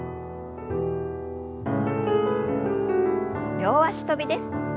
両脚跳びです。